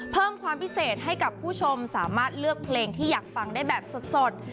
เพิ่มความพิเศษให้กับผู้ชมสามารถเลือกเพลงที่อยากฟังได้แบบสด